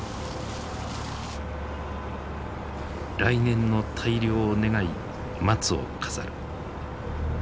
来年の大漁を願い松を飾る。